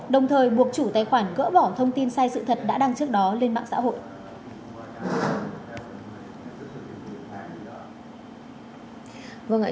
đồng thời buộc chủ tài khoản cỡ bỏ thông tin sai sự thật đã đăng trước đó lên mạng xã hội